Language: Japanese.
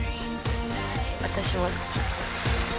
私も好き。